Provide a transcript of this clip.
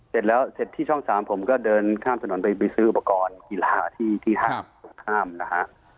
เสร็จแล้วที่ช่องสามผมก็เดินข้ามสนุนไปซื้ออุปกรณ์กีฬาที่ทางข้ามนะคะ